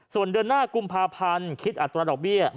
ส่วนเดือนหน้ากุมภาพันธ์คิดอัตราดอกเบี้ย